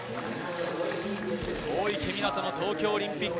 大池水杜の東京オリンピック。